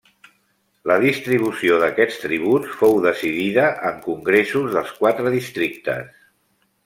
La distribució d'aquests tributs fou decidida en congressos dels quatre districtes.